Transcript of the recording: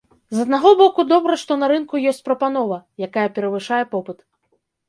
З аднаго боку, добра, што на рынку ёсць прапанова, якая перавышае попыт.